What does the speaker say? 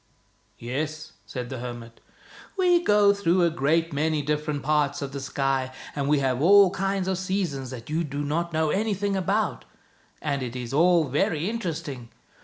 " "Yes," said the hermit. " We go through a great many different parts of the sky, and we have all kinds of seasons that you do not know anything about, and it is all very interesting.